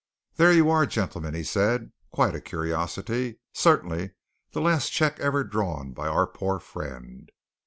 "There you are, gentlemen," he said. "Quite a curiosity! certainly the last cheque ever drawn by our poor friend.